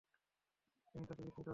তিনি তাতে বিস্মিত হলেন।